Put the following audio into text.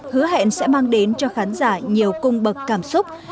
hứa hẹn sẽ mang đến cho khán giả nhiều cung bậc cảm xúc